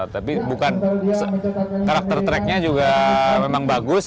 tapi bukan karakter tracknya juga memang bagus